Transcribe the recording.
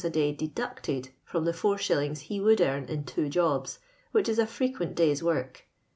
a day deducted firom the 4j. he would earn in two jobs, which is a frequent day's work.